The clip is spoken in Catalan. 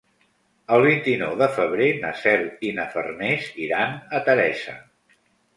El vint-i-nou de febrer na Cel i na Farners iran a Teresa.